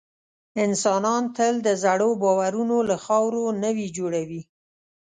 انسانان تل د زړو باورونو له خاورو نوي جوړوي.